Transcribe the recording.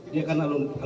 dia kan alun